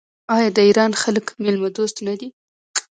آیا د ایران خلک میلمه دوست نه دي؟